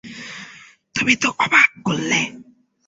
তুমি তো অবাক করলে!